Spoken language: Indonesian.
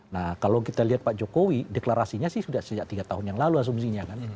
nah kalau kita lihat pak jokowi deklarasinya sih sudah sejak tiga tahun yang lalu asumsinya kan